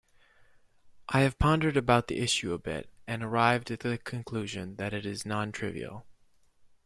I have pondered about the issue a bit and arrived at the conclusion that it is non-trivial.